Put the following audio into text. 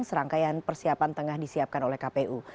serangkaian persiapan tengah disiapkan oleh kpu